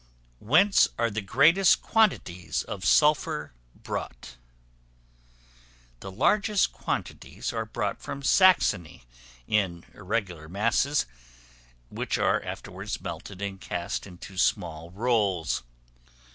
Whence are the greatest quantities of Sulphur brought? The largest quantities are brought from Saxony, in irregular masses, which are afterwards melted and cast into small rolls.